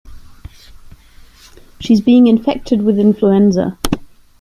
She is being infected with influenza.